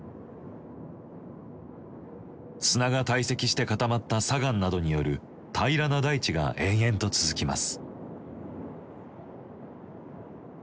砂が堆積して固まった砂岩などによる平らな大地が延々と続きます。